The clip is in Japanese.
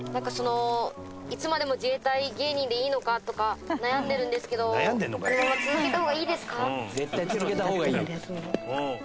そのいつまでも自衛隊芸人でいいのかとか悩んでるんですけどこのまま続けたほうがいいですか？